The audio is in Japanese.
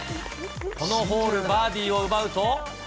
このホールバーディーを奪うと。